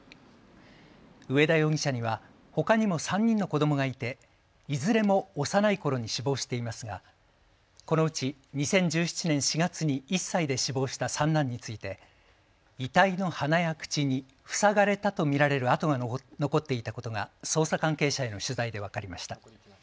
上田容疑者には、ほかにも３人の子どもがいていずれも幼いころに死亡していますがこのうち２０１７年４月に１歳で死亡した三男について、遺体の鼻や口に塞がれたと見られる痕が残っ残っていたことが捜査関係者への取材で分かりました。